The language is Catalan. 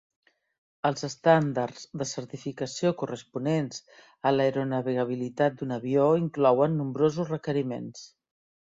Els estàndards de certificació corresponents a l'aeronavegabilitat d'un avió inclouen nombrosos requeriments.